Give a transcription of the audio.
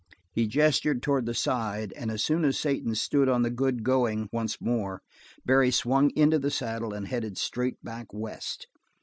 He gestured toward the side, and as soon as Satan stood on the good going once more, Barry swung into the saddle and headed straight back west.